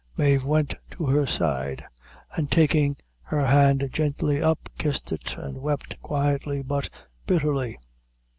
Mave went to her side and taking her hand gently up, kissed it, and wept quietly, but bitterly.